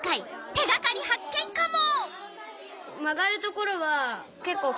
手がかり発見カモ！